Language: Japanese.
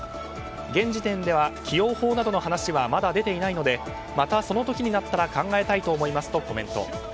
現時点では起用法などの話はまだ出ていないのでまたその時になったら考えたいと思いますとコメント。